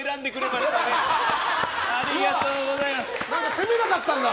攻めなかったんだ。